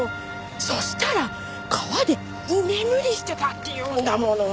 そしたら川で居眠りしてたっていうんだもの。